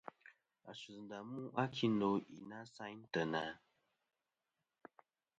A sus ndà mu a kindo i na sayn teyna?